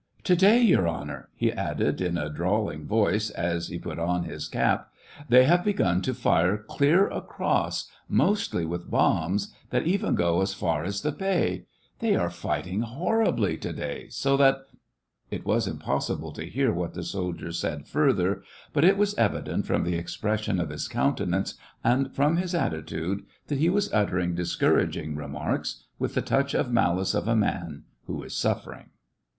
To day, Your Honor," he added, in a drawling voice, as he put on his 128 SEVASTOPOL IN AUGUST. cap, " they have begun to fire clear across, mostly with bombs, that even go as far as the bay ; they are fighting horribly to day, so that —" It was impossible to hear what the soldier said further ; but it was evident, from the expression of his countenance and from his attitude, that he was uttering discouraging remarks, with the touch of malice of a man who is suffering.